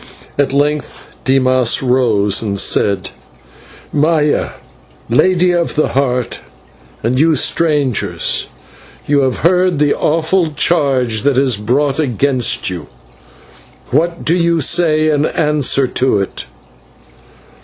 At length Dimas rose, and said: "Maya, Lady of the Heart, and you strangers, you have heard the awful charge that is brought against you. What do you say in answer to it?"